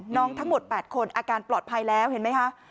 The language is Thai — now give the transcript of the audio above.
ทั้งหมด๘คนอาการปลอดภัยแล้วเห็นไหมคะ